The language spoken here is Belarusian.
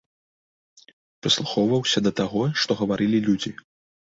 Прыслухоўваўся да таго, што гаварылі людзі.